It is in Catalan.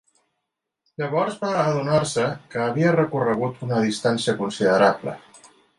Llavors va adonar-se que havia recorregut una distància considerable.